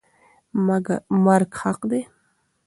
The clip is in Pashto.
مرګ حق دی.